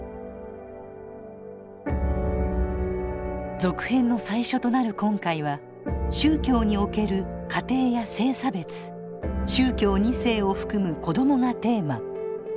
続編の最初となる今回は宗教における家庭や性差別宗教２世を含む子どもがテーマ。